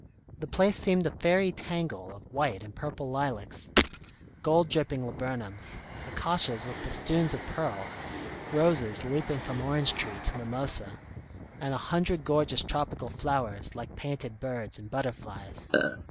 The place seemed a fairy tangle of white and purple lilacs, gold dripping laburnums, acacias with festoons of pearl, roses looping from orange tree to mimosa, and a hundred gorgeous tropical flowers like painted birds and butterflies.